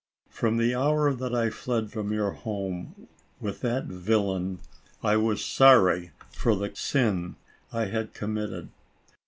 From the hour that I fled from your home, with that villain, I was sorry for the sin I had committed.